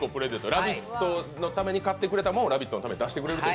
「ラヴィット！」のために買ってくれたものを「ラヴィット！」のために出してくれると。